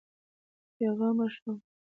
بېغمه شوم.